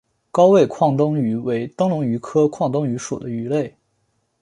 高位眶灯鱼为灯笼鱼科眶灯鱼属的鱼类。